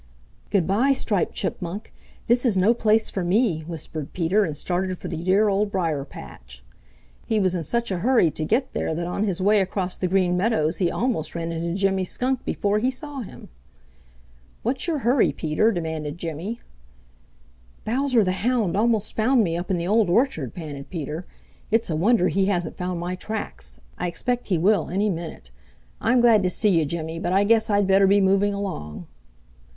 "Good by, Striped Chipmunk! This is no place for me," whispered Peter and started for the dear Old Briar patch. He was in such a hurry to get there that on his way across the Green Meadows he almost ran into Jimmy Skunk before he saw him. "What's your hurry, Peter?" demanded Jimmy "Bowser the Hound almost found me up in the Old Orchard," panted Peter. "It's a wonder he hasn't found my tracks. I expect he will any minute. I'm glad to see you, Jimmy, but I guess I'd better be moving along."